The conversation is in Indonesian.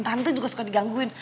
tante juga suka digangguin